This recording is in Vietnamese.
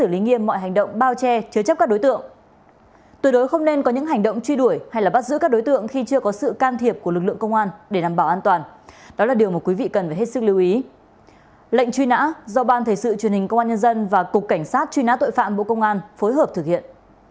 lệnh truy nã do ban thể sự truyền hình công an nhân dân và cục cảnh sát truy nã tội phạm bộ công an phối hợp thực hiện